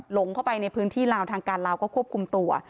หลงไปในพื้นที่ลาวทางการลาวก็ควบคุมตัว